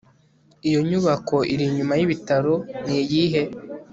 Iyo nyubako iri inyuma yibitaro niyihe